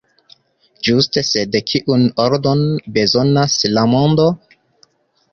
Ĝuste, sed kiun ordon bezonas la mondo?